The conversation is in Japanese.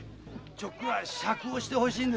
ちょっくら酌をしてほしいんですよ。